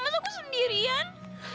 masa aku sendirian